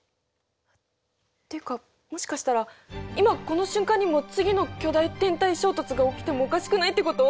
っていうかもしかしたら今この瞬間にも次の巨大天体衝突が起きてもおかしくないってこと！？